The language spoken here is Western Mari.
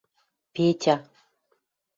Петя: